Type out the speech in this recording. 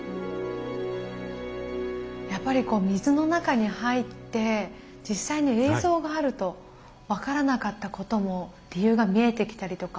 やっぱり水の中に入って実際に映像があると分からなかったことも理由が見えてきたりとか。